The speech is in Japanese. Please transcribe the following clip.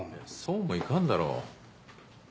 そうもいかんだろう。